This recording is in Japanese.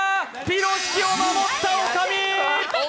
ピロシキを守った女将！